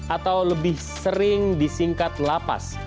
atau lebih sering disingkat lapas